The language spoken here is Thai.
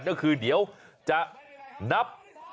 นั่นคือเดี๋ยวจะนับ๑๐๐